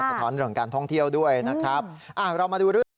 สะท้อนเรื่องการท่องเที่ยวด้วยนะครับ